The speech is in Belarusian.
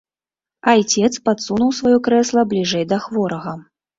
Айцец падсунуў сваё крэсла бліжэй да хворага.